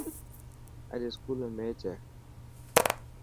اڄ اسڪول ۾ ميچ هي.